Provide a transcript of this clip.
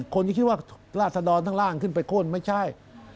คนที่คิดว่าราศดรทั้งล่างขึ้นไปโค้นไม่ใช่